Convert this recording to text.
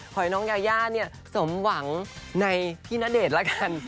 ขอให้น้องยาย่าเนี่ยสมหวังในพี่ณเดชน์ละกัน